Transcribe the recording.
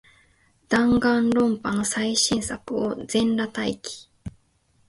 ダンガンロンパの最新作を、全裸待機